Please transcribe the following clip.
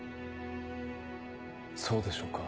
そうでしょうか。